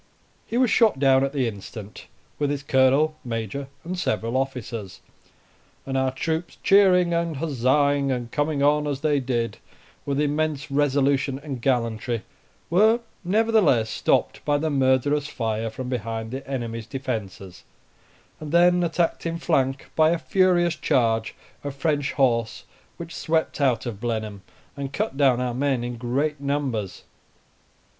He was shot down at the instant, with his colonel, major, and several officers; and our troops cheering and huzzaing, and coming on, as they did, with immense resolution and gallantry, were nevertheless stopped by the murderous fire from behind the enemy's defences, and then attacked in flank by a furious charge of French horse which swept out of Blenheim, and cut down our men in great numbers.